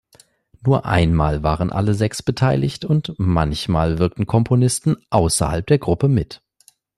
Nur einmal waren alle sechs beteiligt und manchmal wirkten Komponisten außerhalb der Gruppe mit.